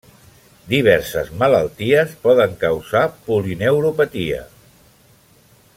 Diverses malalties poden causar polineuropatia.